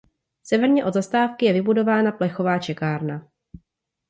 Severně od zastávky je vybudována plechová čekárna.